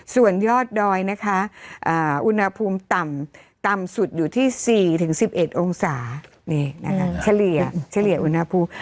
ส่วนยอดดอยนะคะอุณหภูมิต่ำต่ำสุดอยู่ที่๔๑๑องศานี่นะคะเฉลี่ยอุณหภูมิ